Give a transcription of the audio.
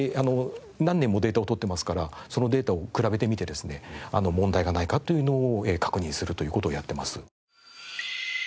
何年もデータを取ってますからそのデータを比べてみてですね問題がないかというのを確認するという事をやってます。